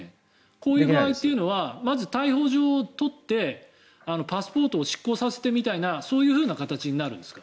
こういう場合というのはまず逮捕状を取ってパスポートを失効させてみたいなそういう形になるんですか？